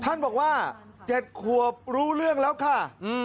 ท่านบอกว่า๗ขวบรู้เรื่องแล้วค่ะ